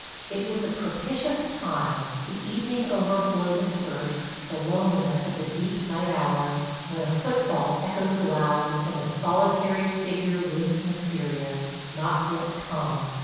It was a propitious time, the evening overflow dispersed, the loneliness of the deep night hours, when a footfall echoes loud and a solitary figure looms mysterious, not yet come.